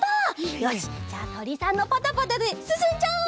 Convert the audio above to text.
よしじゃあとりさんのパタパタですすんじゃおう！